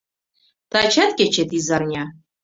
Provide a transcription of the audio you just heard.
Тачат кечет изарня